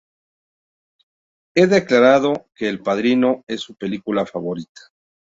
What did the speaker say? Ha declarado que "El padrino" es su película favorita.